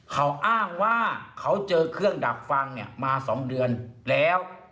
เขาอ้างว่าเขาเจอเครื่องดักฟังมา๒เดือนแล้ว